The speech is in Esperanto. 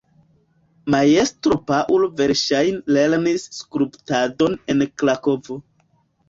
Majstro Paŭlo verŝajne lernis skulptadon en Krakovo.